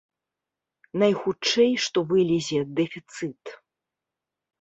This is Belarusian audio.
Найхутчэй што вылезе дэфіцыт.